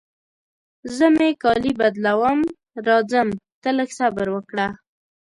زه مې کالي بدلوم، راځم ته لږ صبر وکړه.